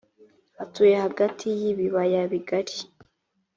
atuye hagati k’ibiyaga bigari